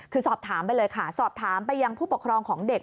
คือสอบถามไปเลยค่ะสอบถามไปยังผู้ปกครองของเด็ก